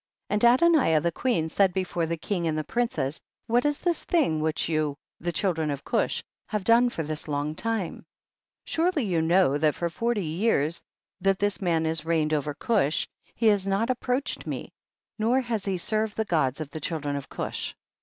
4. And Adoniah the queen said before the king and the princes, what is this thing which you, the children of Cush, have done for this long time ? 5. Surely you know that for forty years that this man has reigned over Cush he has not approached me, nor has he served the gods of the children of Cush.